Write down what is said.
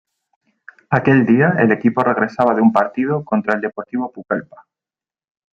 Aquel día, el equipo regresaba de un partido contra el Deportivo Pucallpa.